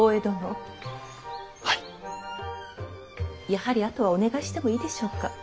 やはりあとはお願いしてもいいでしょうか？